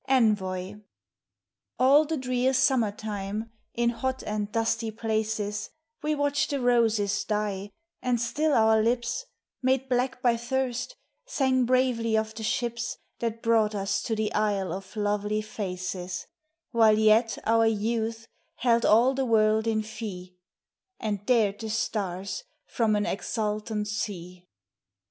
ENVOI ALL the drear summer time in hot and dusty places We watched the roses die, and still our lips Made black by thirst, sang bravely of the ships That brought us to the isle of lovely faces, While yet our youth held all the world in fee, And dared the stars from an exultant sea.